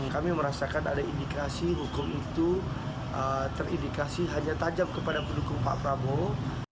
kami merasakan ada indikasi hukum itu terindikasi hanya tajam kepada pendukung pak prabowo